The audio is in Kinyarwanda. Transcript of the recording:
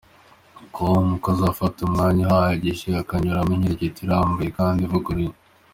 com ko azafata umwanya uhagije akanyuramo inkirigito irambuye kandi ivuguruye.